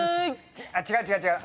違う違う違う。